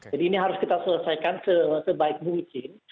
jadi ini harus kita selesaikan sebaik mungkin